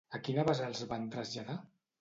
A quina base els van traslladar?